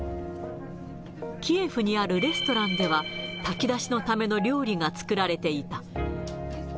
キエフにあるレストランでは、炊き出しのための料理が作られていた。